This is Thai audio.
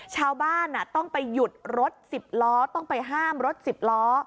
ชาวบ้านต้องไปห้ามรถ๑๐ล้อ